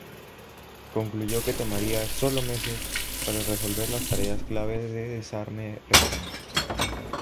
Concluyó que tomaría "solo meses" para resolver las tareas clave de desarme restante.